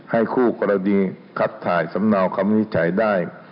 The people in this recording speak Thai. ให้คู่กรดีคัดถ่ายสำนาวคำวินิจฉัยได้